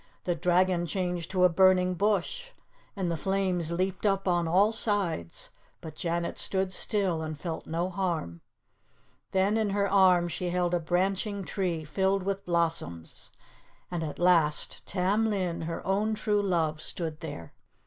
The dragon changed to a burning bush, and the flames leaped up on all sides, but Janet stood still and felt no harm. Then in her arms she held a branching tree, filled with blossoms. And at last Tam Lin, her own true love, stood there.